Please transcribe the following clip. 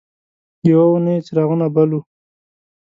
یوه اونۍ یې څراغونه بل وو.